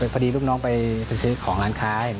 พอดีลูกน้องไปซื้อของร้านค้าเห็น